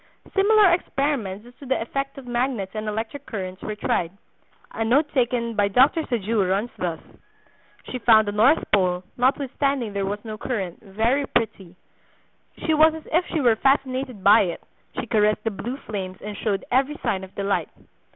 Similar experiments as to the effect of magnets and electric currents were tried. A note taken by Dr. Sajous runs thus: "She found the north pole, notwithstanding there was no current, very pretty; she was as if she were fascinated by it; she caressed the blue flames, and showed every sign of delight.